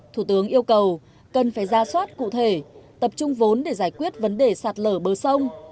thủ tướng yêu cầu cần phải ra soát cụ thể tập trung vốn để giải quyết vấn đề sạt lở bờ sông